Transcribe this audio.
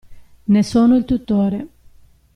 Ne sono il tutore.